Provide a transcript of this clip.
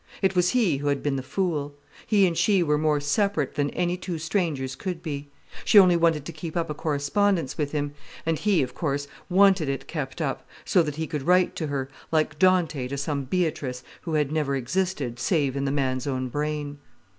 It was he who had been the fool. He and she were more separate than any two strangers could be. She only wanted to keep up a correspondence with him—and he, of course, wanted it kept up, so that he could write to her, like Dante to some Beatrice who had never existed save in the man's own brain.